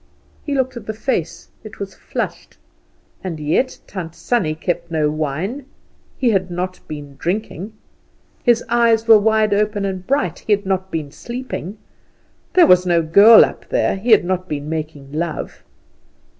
He looked at the face. It was flushed. And yet, Tant Sannie kept no wine he had not been drinking; his eyes were wide open and bright he had not been sleeping; there was no girl up there he had not been making love.